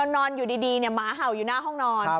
นอนอยู่ดีหมาเห่าอยู่หน้าห้องนอน